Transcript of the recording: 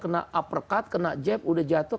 kena uppercut kena jab sudah jatuh